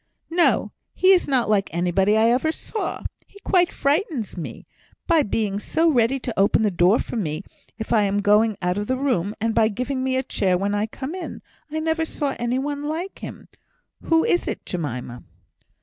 "No! he is not like anybody I ever saw. He quite frightens me, by being so ready to open the door for me if I am going out of the room, and by giving me a chair when I come in. I never saw any one like him. Who is it, Jemima?"